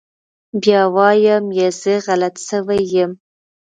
بيا وايم يه زه غلط سوى يم.